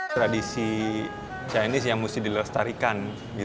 tradisi chinese yang mesti dilestarikan